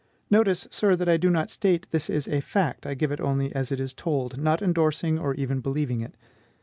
Notice, sir, that I do not state this as a fact; I give it only as it is told, not endorsing or even believing it.